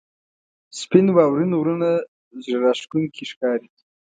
• سپین واورین غرونه زړه راښکونکي ښکاري.